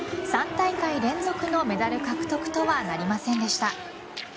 ３大会連続のメダル獲得とはなりませんでした。